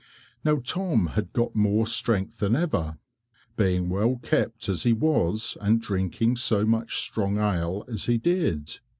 Now Tom had got more strength than ever, being well kept as he was and drinking so much strong ale as he did.